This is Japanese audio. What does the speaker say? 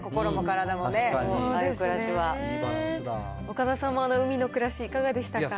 岡田さんも海の暮らし、いかがでしたか？